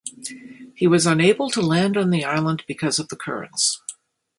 He was unable to land on the island because of the currents.